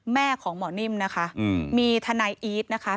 แม่ของหมอนิ่มนะคะมีทนายอีทนะคะ